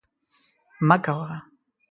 مه کوه